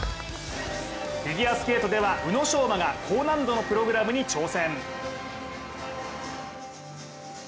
フィギュアスケートでは宇野昌磨が高難度のプログラムに挑戦。